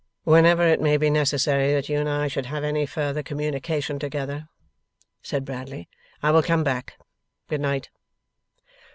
'Whenever it may be necessary that you and I should have any further communication together,' said Bradley, 'I will come back. Good night!